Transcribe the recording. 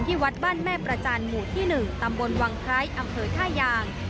วัดบ้านแม่ประจันทร์หมู่ที่๑ตำบลวังไคร้อำเภอท่ายาง